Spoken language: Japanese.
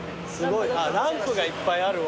ランプがいっぱいあるわ。